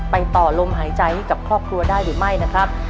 ต่อลมหายใจให้กับครอบครัวได้หรือไม่นะครับ